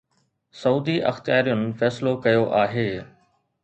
سعودي اختيارين فيصلو ڪيو آهي